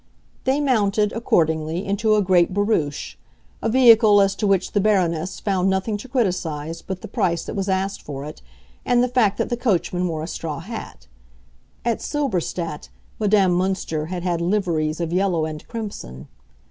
They mounted, accordingly, into a great barouche—a vehicle as to which the Baroness found nothing to criticise but the price that was asked for it and the fact that the coachman wore a straw hat. (At Silberstadt Madame Münster had had liveries of yellow and crimson.)